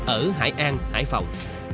ở hải an hải phòng